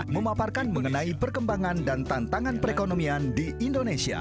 memaparkan mengenai perkembangan dan tantangan perekonomian di indonesia